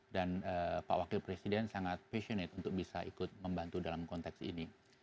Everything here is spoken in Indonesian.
dan pak wakil presiden sangat passionate untuk bisa ikut membantu dalam konteks ini